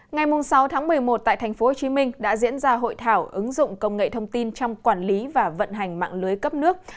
ngày sáu tháng một mươi một tại tp hcm đã diễn ra hội thảo ứng dụng công nghệ thông tin trong quản lý và vận hành mạng lưới cấp nước